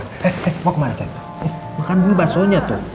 eh eh mau kemana cari makan dulu balsonya tuh